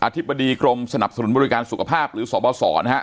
ธิบดีกรมสนับสนุนบริการสุขภาพหรือสบสนะฮะ